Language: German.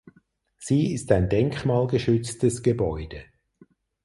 Sie ist ein denkmalgeschütztes Gebäude.